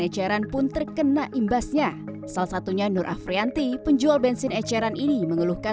eceran pun terkena imbasnya salah satunya nur afrianti penjual bensin eceran ini mengeluhkan